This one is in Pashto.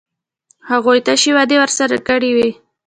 هغوی تشې وعدې ورسره کړې وې.